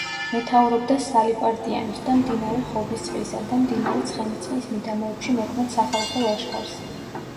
მეთაურობდა სალიპარტიანოს და მდინარე ხობისწყლისა და მდინარე ცხენისწყლის მიდამოებში მოქმედ სახალხო ლაშქარს.